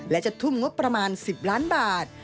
และจะทุ่มงบประมาณ๑๐ล้านบาท